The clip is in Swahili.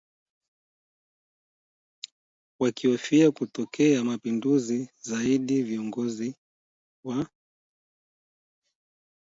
Wakihofia kutokea mapinduzi zaidi viongozi wa